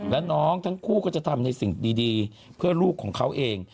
และน้องทั้งคู่ก็จะทำในสิ่งดีเพื่อลูกของเขาเอง